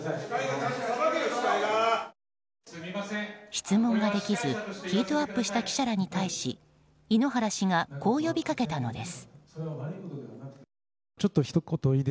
質問ができずヒートアップした記者らに対し井ノ原氏がこう呼びかけたのです。